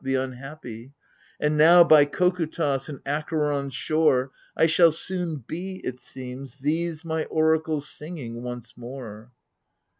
The unhappy ! And now, by Kokutos and Acheron's shore I shall soon be, it seems, these my oracles singing once more